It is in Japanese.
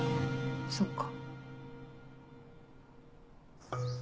そっか。